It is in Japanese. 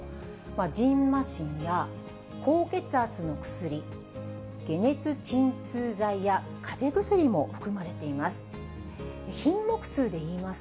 じんましんや高血圧の薬、解熱鎮痛剤やかぜ薬も含まれています。